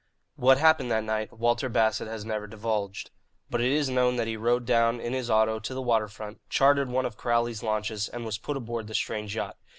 What happened that night Walter Bassett has never divulged. But it is known that he rode down in his auto to the water front, chartered one of Crowley's launches, and was put aboard the strange yacht.